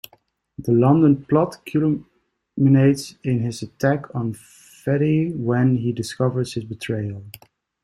The London plot culminates in his attack on Fede when he discovers his betrayal.